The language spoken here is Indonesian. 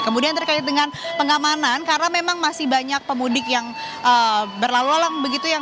kemudian terkait dengan pengamanan karena memang masih banyak pemudik yang berlalu lalang begitu yang